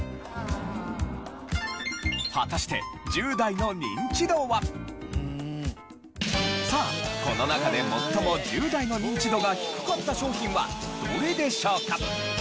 果たしてさあこの中で最も１０代のニンチドが低かった商品はどれでしょうか？